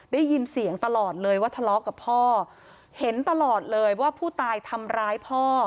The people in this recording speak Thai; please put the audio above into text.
ได้ยินเสียงตลอดเลยว่าทะเลาะกับพ่อเห็นตลอดเลยว่าผู้ตายทำร้ายพ่อ